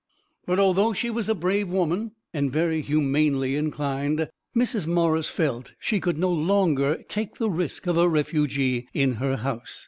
But although she was a brave woman and very humanely inclined, Mrs. Morris felt she could not any longer take the risk of a refugee in her house.